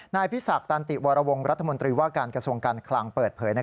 นายพิศักดิวรวงรัฐมนตรีว่าการกระทรวงการคลังเปิดเผย